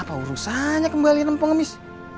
apa urusannya kembaliin empang emis